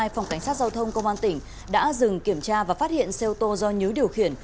phòng cảnh sát giao thông công an tỉnh đã dừng kiểm tra và phát hiện xe ô tô do nhứ điều khiển